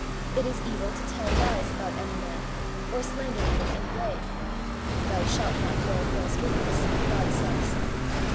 It is evil to tell lies about any man, or slander him in any way. " Thou shalt not bear false witness, God says.